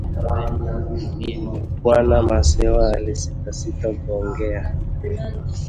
Bwana Masewa alisita sita kuongea